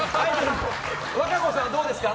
和歌子さん、どうですか？